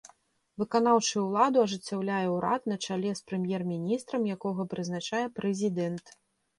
Выканаўчую ўладу ажыццяўляе ўрад на чале з прэм'ер-міністрам, якога прызначае прэзідэнт.